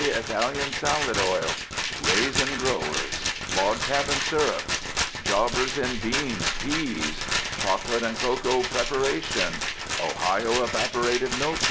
Italian Salad Oil," "Raisin Growers," "Log Cabin Syrups," "Jobbers in Beans, Peas," "Chocolate and Cocoa Preparations," "Ohio Evaporated Milk Co.